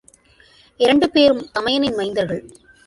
இரண்டு பேரும் தமையனின் மைந்தர்கள்.